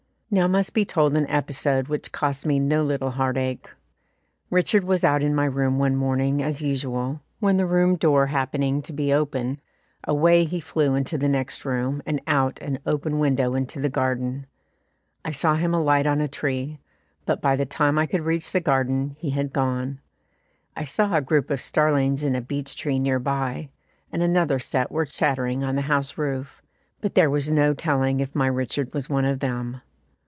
Now must be told an episode which cost me no little heartache. Richard was out in my room one morning as usual, when the room door happening to be open, away he flew into the next room, and out at an open window into the garden. I saw him alight on a tree, but by the time I could reach the garden he had gone. I saw a group of starlings in a beech tree near by, and another set were chattering on the house roof, but there was no telling if my Richard was one of them.